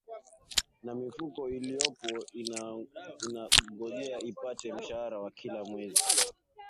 na mifuko iliyopo inangojea ipate mshahara wa kila mwezi